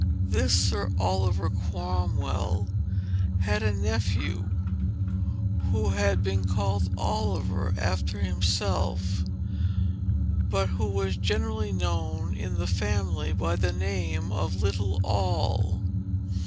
This Sir Oliver Cromwell had a nephew, who had been called Oliver, after himself, but who was generally known in the family by the name of little Noll.